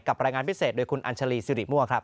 รายงานพิเศษโดยคุณอัญชาลีสิริมั่วครับ